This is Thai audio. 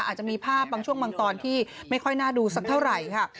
อาจจะมีภาพบางช่วงบางตอนที่ไม่ค่อยน่าดูสักเท่าไหร่ค่ะ